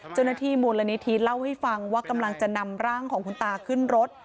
เจ้าหน้าที่มูลนิธิเล่าให้ฟังว่ากำลังจะนำร่างของคุณตาขึ้นรถ